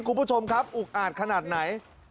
คุณผู้ชมครับอุกอาดขนาดไหน